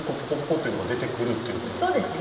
ッていうのが出てくるっていうことなんですかね。